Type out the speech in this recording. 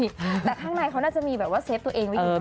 แต่ข้างในเขาน่าจะมีแบบว่าเซฟตัวเองไว้อยู่